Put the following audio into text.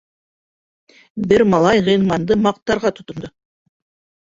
Бер малай Ғилманды маҡтарға тотондо.